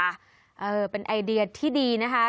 นักคุย์เป็นไอเดียที่ดีนะคะ